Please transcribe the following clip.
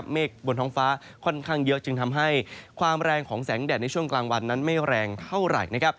บนท้องฟ้าค่อนข้างเยอะจึงทำให้ความแรงของแสงแดดในช่วงกลางวันนั้นไม่แรงเท่าไหร่นะครับ